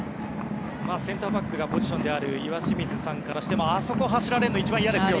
センターバックがポジションである岩清水さんからしてもあそこを走られるのが一番嫌ですよね。